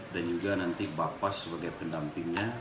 dan juga nanti bapak sebagai pendampingnya